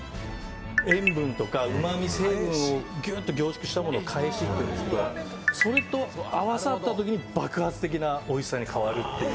塩分とか、うまみ成分をギュッと凝縮したものをかえしと呼ぶんですけれど、それと合わさったときに爆発的なおいしさに変わるという。